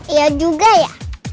iya juga ya